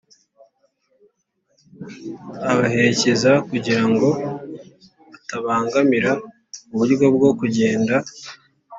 abaherekeza kugira ngo bitabangamira uburyo bwo kugenda.